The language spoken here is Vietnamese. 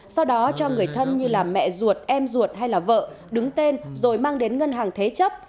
sau đó cho người thân như là mẹ ruột em ruột hay là vợ đứng tên rồi mang đến ngân hàng thế chấp